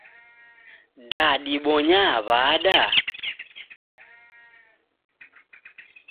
Da dibonyaa wada?